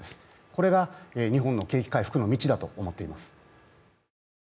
これが日本の景気回復の道だと思っています。